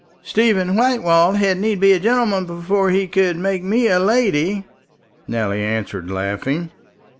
"Stephen Whitelaw had need be a gentleman himself before he could make me a lady," Nelly answered, laughing.